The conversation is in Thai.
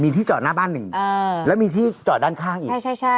มีที่จอดหน้าบ้านหนึ่งอ่าแล้วมีที่จอดด้านข้างอีกใช่ใช่ใช่